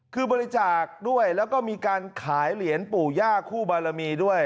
คือบริจาคด้วยแล้วก็มีการขายเหรียญปู่ย่าคู่บารมีด้วย